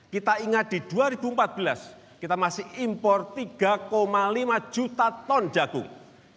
kita ingat di dua ribu empat belas kita masih impor tiga lima juta ton jagung